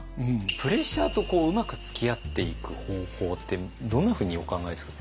プレッシャーとうまくつきあっていく方法ってどんなふうにお考えですか？